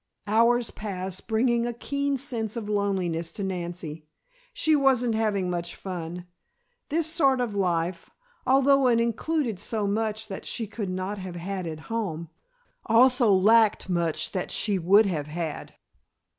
Hours passed bringing a keen sense of loneliness to Nancy. She wasn't having much fun this sort of life, although it included so much that she could not have had at home, also lacked much that she would have had.